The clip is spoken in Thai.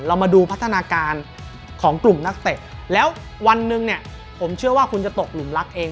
เรามาดูพัฒนาการของกลุ่มนักเตะแล้ววันหนึ่งเนี่ยผมเชื่อว่าคุณจะตกหลุมรักเอง